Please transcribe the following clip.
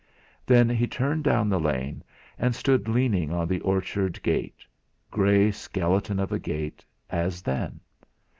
Then he turned down the lane, and stood leaning on the orchard gate grey skeleton of a gate, as then.